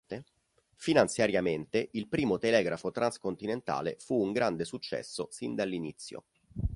Finanziariamente, il primo telegrafo transcontinentale fu un grande successo sin dall'inizio.